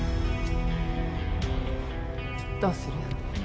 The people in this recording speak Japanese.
どうする？